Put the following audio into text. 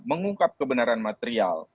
mengungkap kebenaran material